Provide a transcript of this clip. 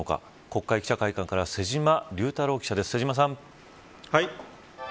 国会記者会館から瀬島隆太郎記者です。